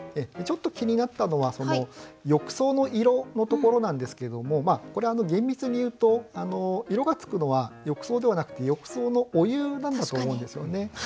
ちょっと気になったのは「浴槽の色」のところなんですけどもこれ厳密に言うと色がつくのは浴槽ではなくて浴槽のお湯なんだと思うんですよね。